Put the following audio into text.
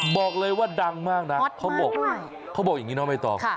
บอกเลยว่าดังมากนะเขาบอกอย่างนี้เนอะไม่ต้อง